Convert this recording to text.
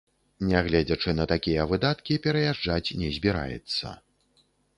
Нягледзячы на такія выдаткі, пераязджаць не збіраецца.